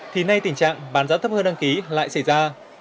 thì nay tình trạng bán giá thấp hơn đăng ký lại xảy ra